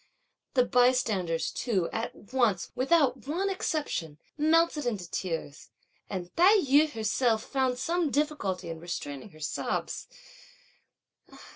The bystanders too, at once, without one exception, melted into tears; and Tai yü herself found some difficulty in restraining her sobs.